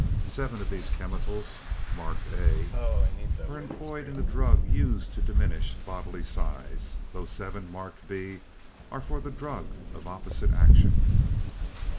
Seven of these chemicals (marked A), are employed in the drug used to diminish bodily size. Those seven marked B are for the drug of opposite action.